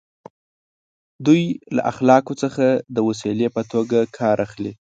دوی له اخلاقو څخه د وسیلې په توګه کار اخلي.